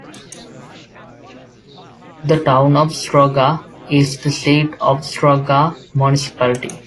The town of Struga is the seat of Struga Municipality.